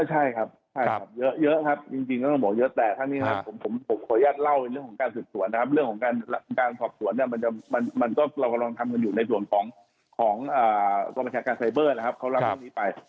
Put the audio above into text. ใช่ครับใช่ครับเยอะครับจริงก็ต้องบอกเยอะแต่ทั้งนี้ครับผมขออนุญาตเล่าในเรื่องของการสืบสวนนะครับเรื่องของการสอบสวนเนี่ยมันก็เรากำลังทำกันอยู่ในส่วนของกรมประชาการไซเบอร์นะครับเขารับเรื่องนี้ไป